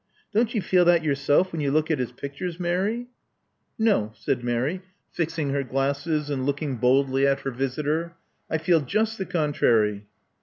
Don't you feel that yourself when you look at his pictures, Mary?" No," said Mary, fixing her glasses and looking boldly at her visitor. '*I feel just the contrary."